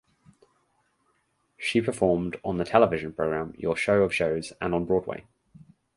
She performed on the television program "Your Show of Shows" and on Broadway.